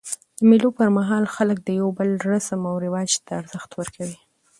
د مېلو پر مهال خلک د یو بل رسم و رواج ته ارزښت ورکوي.